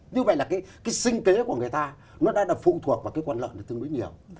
như vậy là cái sinh kế của người ta nó đã phụ thuộc vào cái quần lợn này tương đối nhiều